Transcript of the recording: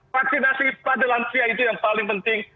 vaksinasi pada lansia itu yang paling penting